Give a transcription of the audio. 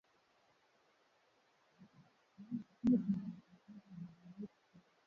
Kadiri unavyokanda kwa muda mrefu chapati zitakuwa laini